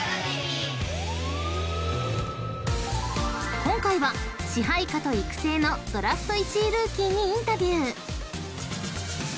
［今回は支配下と育成のドラフト１位ルーキーにインタビュー］